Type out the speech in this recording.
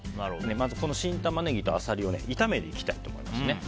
まず、新タマネギとアサリを炒めていきたいと思います。